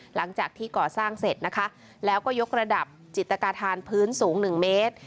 หลังจากที่ก่อสร้างเสร็จนะคะแล้วก็ยกระดับจิตกาธานพื้นสูง๑เมตร